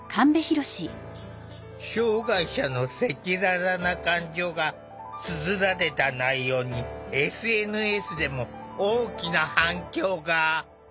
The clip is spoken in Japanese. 障害者の赤裸々な感情がつづられた内容にＳＮＳでも大きな反響が。